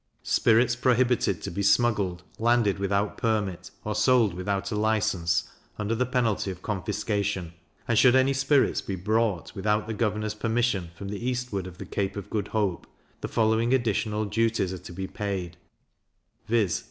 Spirits prohibited to be smuggled, landed without permit, or sold without a license, under the penalty of confiscation. And should any spirits be brought, without the governor's permission, from the eastward of the Cape of Good Hope, the following additional duties are to be paid; viz.